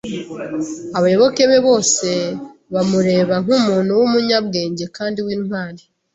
Abayoboke be bose bamureba nk'umuntu w'umunyabwenge kandi w'intwari.